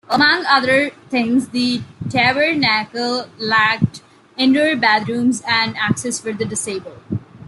Among other things, the Tabernacle lacked indoor bathrooms and access for the disabled.